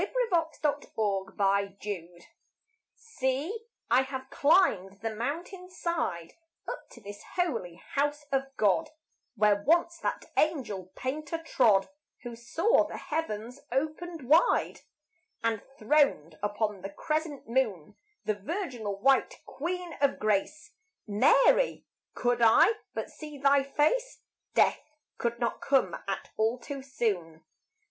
AVIGNON SAN MINIATO SEE, I have climbed the mountain side Up to this holy house of God, Where once that Angel Painter trod Who saw the heavens opened wide, And throned upon the crescent moon The Virginal white Queen of Grace,— Mary! could I but see thy face Death could not come at all too soon.